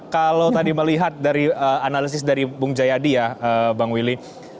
kalau tadi melihat dari analisis dari bung jayadi ya bang willy